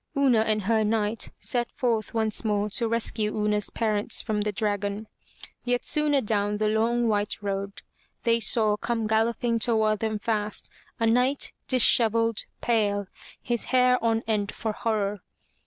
Una and her knight set forth once more to rescue Una's parents from the dragon. Yet soon adown the long, white road they saw come galloping toward them fast, a knight, disheveled, pale, his hair on end for horror.